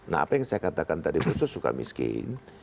nah apa yang saya katakan tadi bersusuka miskin